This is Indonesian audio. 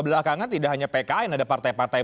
belakangan tidak hanya pkn ada partai partai